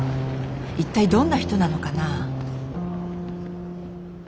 一体どんな人なのかな？